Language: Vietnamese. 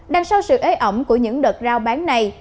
đằng sau sự ế ẩm của những đợt rao bán này